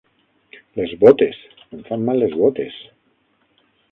Les botes! Em fan mal les botes.